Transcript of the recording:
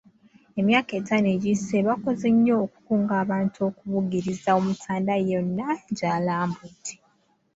Emyaka etaano egiyise, bakoze nnyo okukunga abantu okubugiriza Omutanda yonna gy'alambudde.